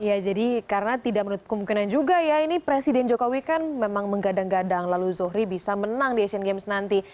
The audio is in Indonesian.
ya jadi karena tidak menurut kemungkinan juga ya ini presiden jokowi kan memang menggadang gadang lalu zohri bisa menang di asian games nanti